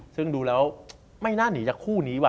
ซึ่งดูแล้วไม่น่าหนีจากคู่นี้ว่